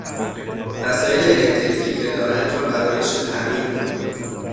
وسایل الکتریکی که دارند را برایشان تعمیر کنید،